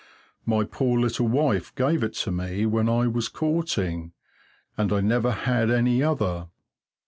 My poor little wife gave it to me when I was courting, and I never had any other.